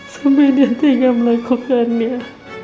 sampai dia tinggal melakukannya